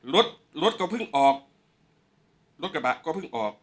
รถรถก็เพิ่งออกรถกระบะก็เพิ่งออก